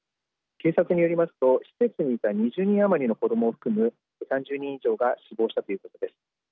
警察によりますと施設にいた２０人余りの子どもを含む３０人以上が死亡したということです。